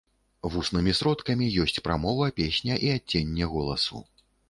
Вуснымі сродкамі ёсць прамова, песня і адценне голасу.